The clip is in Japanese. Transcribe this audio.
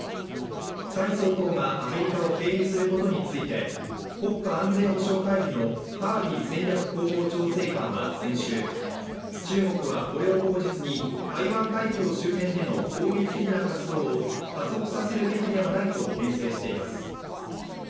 蔡総統が、アメリカを経由することについて、国家安全保障会議のカービー戦略広報調整官は先週中国はこれを口実に台湾海峡周辺での攻撃的な活動を加速させるべきではないとけん制しています。